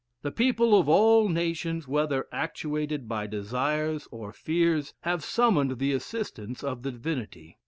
The people of all nations, whether actuated by desires or fears, have summoned the assistance of the Divinity.